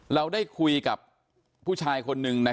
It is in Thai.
เราได้คุยกับผู้ชายคนนึงนะครับ